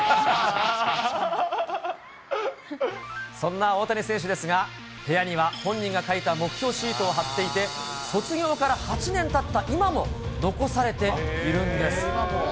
そんな大谷選手ですが、部屋には本人が書いた目標シートを貼っていて、卒業から８年たった今も残されているんです。